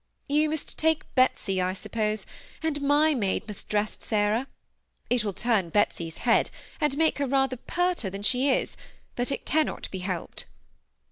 ^'You must take Betsy, I suppose, and my maid must dress Sarah. It will turn Betsy's head, and make her rather perter than she is ; but it cannot be helped."